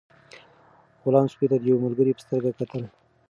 غلام سپي ته د یو ملګري په سترګه کتل.